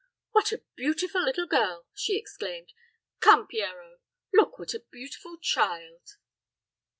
"What a beautiful little girl!" she exclaimed "Come, Pierrot, look what a beautiful child!"